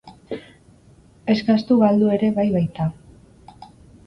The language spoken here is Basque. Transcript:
Eskastu galdu ere bai baita.